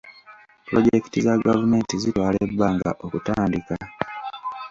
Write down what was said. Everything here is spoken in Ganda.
Pulojekiti za gavumenti zitwala ebbanga okutandika.